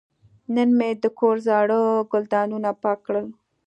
نن مې د کور زاړه ګلدانونه پاک کړل.